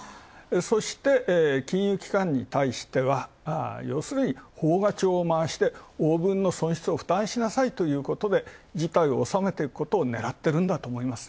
そして、金融機関に対しては要するに奉加帳をまわして損失を負担しなさいということで事態を収めていくことを狙っていると。